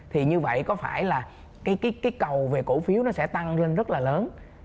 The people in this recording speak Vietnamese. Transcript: thì như vậy có phải là cái cầu về cổ phiếu nó sẽ tăng lên rất là lớn